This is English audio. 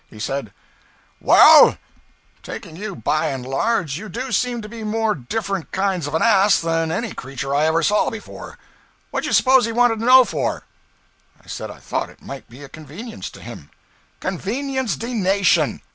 He said, 'Well, taking you by and large, you do seem to be more different kinds of an ass than any creature I ever saw before. What did you suppose he wanted to know for?' I said I thought it might be a convenience to him. 'Convenience D nation!